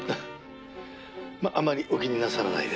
「まああまりお気になさらないで」